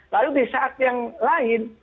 lalu di saat yang lain